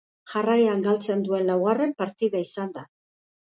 Jarraian galtzen duen laugarren partida izan da.